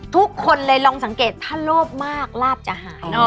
ทุกคนเลยลองสังเกตถ้าโลภมากลาบจะหาย